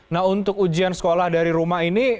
nah untuk ujian sekolah dari rumah ini